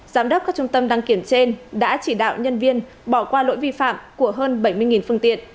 giám đốc các trung tâm đăng kiểm trên đã chỉ đạo nhân viên bỏ qua lỗi vi phạm của hơn bảy mươi phương tiện